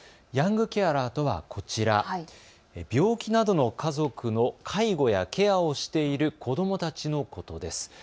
ヤングケアラーとはこちら、病気などの家族の介護やケアをしている子どもたちのことです。